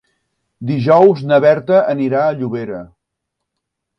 Dijous na Berta anirà a Llobera.